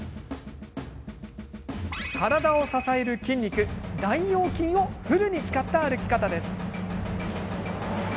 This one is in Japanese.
体を支える筋肉、大腰筋をフルに使った歩き方です。